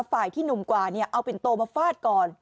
ฝ่ายที่หนุ่มกว่าเนี่ยเอาเป็นโตมาฟาดก่อน